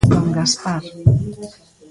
_Don Gaspar.